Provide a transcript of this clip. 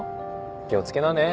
気を付けなね？